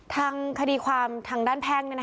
ทางคดีความทางด้านแพงเนี่ยนะคะ